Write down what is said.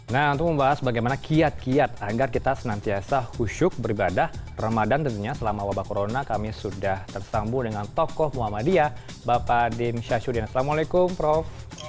nah untuk membahas bagaimana kiat kiat agar kita senantiasa husyuk beribadah ramadan tentunya selama wabah corona kami sudah tersambung dengan tokoh muhammadiyah bapak dim syasyudin assalamualaikum prof